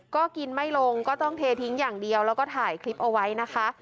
ก็กินไม่ลงก็ต้องเททิ้งอย่างเดียวแล้วก็ถ่ายคลิปเอาไว้นะคะ